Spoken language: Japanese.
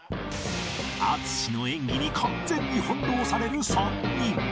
淳の演技に完全に翻弄される３人